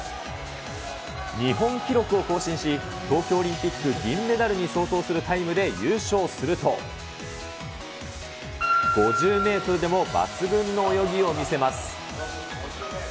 日本記録を更新し、東京オリンピック銀メダルに相当するタイムで優勝すると、５０メートルでも抜群の泳ぎを見せます。